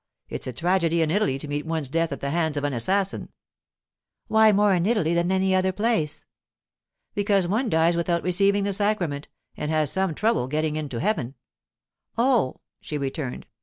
It's a tragedy in Italy to meet one's death at the hands of an assassin.' 'Why more in Italy than in any other place?' 'Because one dies without receiving the sacrament, and has some trouble about getting into heaven.' 'Oh!' she returned.